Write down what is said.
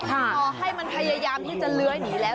ต่อให้มันพยายามที่จะเลื้อยหนีแล้ว